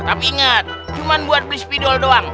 tapi ingat cuma buat beli spidol doang